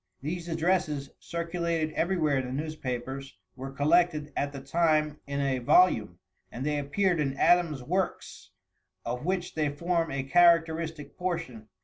These addresses, circulated everywhere in the newspapers, were collected at the time in a volume, and they appeared in Adams' works, of which they form a characteristic portion.